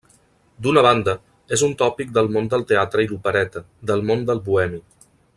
D'una banda, és un tòpic del món del teatre i l'opereta, del món del bohemi.